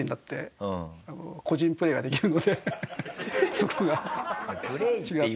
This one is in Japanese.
そこが。